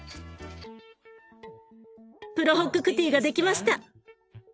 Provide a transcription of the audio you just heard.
プロホック・クティが出来ました。